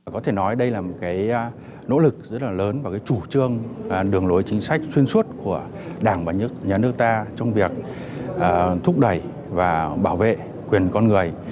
có thể nói đây là một cái nỗ lực rất là lớn và cái chủ trương đường lối chính sách xuyên suốt của đảng và nhà nước ta trong việc thúc đẩy và bảo vệ quyền con người